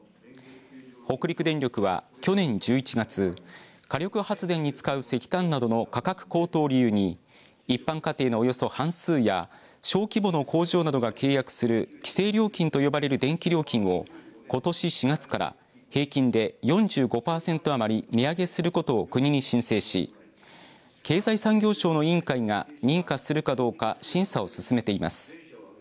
北陸電力は去年１１月火力発電に使う石炭などの価格高騰を理由に一般家庭のおよそ半数や小規模の工場などが契約する規制料金と呼ばれる電気料金をことし４月から平均で４５パーセント余り値上げすることを国に申請し経済産業省の委員会が認可するかどうか審査を進めています。